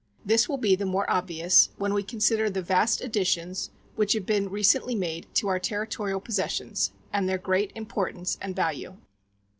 This will be the more obvious when we consider the vast additions which have been recently made to our territorial possessions and their great importance and value.